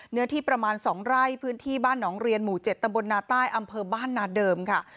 เนื้อที่ประมาณ๒ไร่พื้นที่บ้านหนองเรียนหมู่๗ตนนอบ้านนาเดิมค่ะ